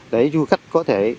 để du khách có thể